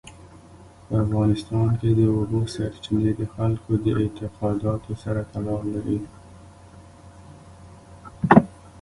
په افغانستان کې د اوبو سرچینې د خلکو د اعتقاداتو سره تړاو لري.